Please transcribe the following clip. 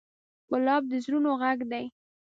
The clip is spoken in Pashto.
ګلاب د زړونو غږ دی.